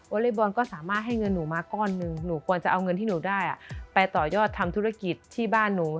อเล็กบอลก็สามารถให้เงินหนูมาก้อนหนึ่งหนูควรจะเอาเงินที่หนูได้ไปต่อยอดทำธุรกิจที่บ้านหนู